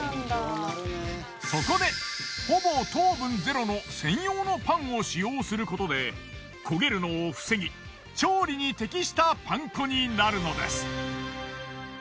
そこでほぼ糖分０の専用のパンを使用することで焦げるのを防ぎ調理に適したパン粉になるのです。